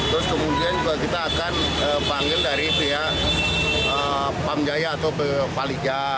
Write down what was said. terus kemudian juga kita akan panggil dari pihak pamjaya atau palija